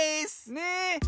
ねえ。